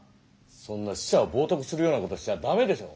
そんな死者を冒とくするような事しちゃ駄目でしょ。